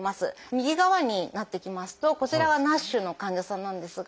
右側になってきますとこちらはＮＡＳＨの患者さんなんですが。